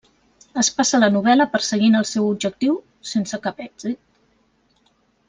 Es passa la novel·la perseguint el seu objectiu, sense cap èxit.